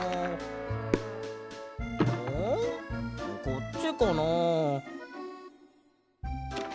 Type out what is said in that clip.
こっちかな？